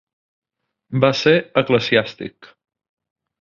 Va ser eclesiàstic.